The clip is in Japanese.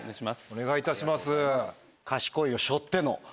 お願いいたします。